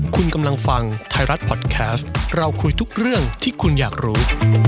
คุณกำลังฟังไทยรัฐพอดแคสต์เราคุยทุกเรื่องที่คุณอยากรู้